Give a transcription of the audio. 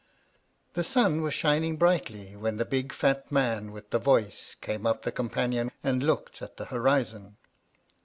The sun was shining brightly when the big fat man with the voice came up the companion and looked at the horizon.